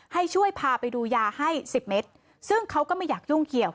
ให้ช่วยพาไปดูยาให้สิบเม็ดซึ่งเขาก็ไม่อยากยุ่งเกี่ยว